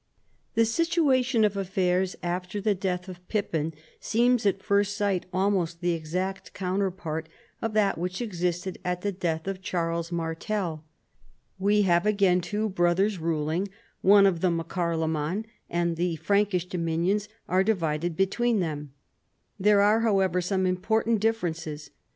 The situation of affairs after the death of Pippin seems at first sight almost the exact counterpart of that wliich existed at the death of Charles Martel. We have again two brothers ruling, one of them a Carloraan, and tlie Prankish dominions are divided between them. There are however some important differences.